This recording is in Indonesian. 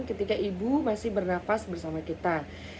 ketika ibu masih bernafas bersama kita